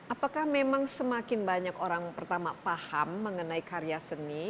apakah memang semakin banyak orang pertama paham mengenai karya seni